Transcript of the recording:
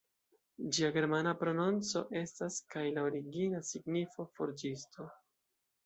Ĝia germana prononco estas kaj la origina signifo "forĝisto".